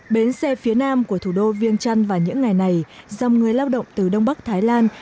bến xe phía nam của thủ đô viêng trăn vào những ngày này dòng người lao động từ đông bắc thái lan